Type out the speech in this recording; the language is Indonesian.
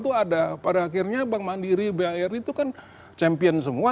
itu ada pada akhirnya bank mandiri bar itu kan champion semua